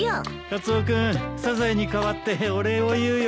カツオ君サザエに代わってお礼を言うよ。